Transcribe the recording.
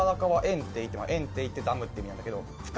堰堤ってダムって意味なんだけど。